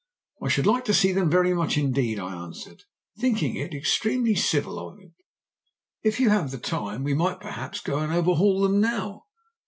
"'I should like to see them very much indeed,' I answered, thinking it extremely civil of him. "'If you have time we might perhaps go and over haul them now.